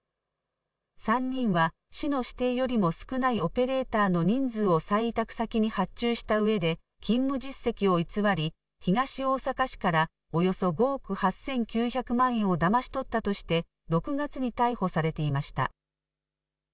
３人は市の指定よりも少ないオペレーターの人数を再委託先に発注したうえで勤務実績を偽り東大阪市からおよそ５億８９００万円をだまし取ったとして６月に逮捕されていました。